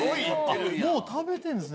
もう食べてるんですね。